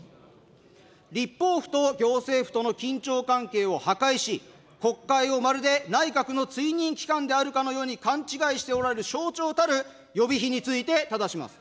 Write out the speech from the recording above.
立法府と行政府との緊張関係を破壊し、国会をまるで内閣の追認機関であるかのように勘違いしておられる象徴たる予備費についてただします。